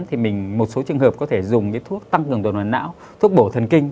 thì mình một số trường hợp có thể dùng thuốc tăng cường tuần hoàn não thuốc bổ thần kinh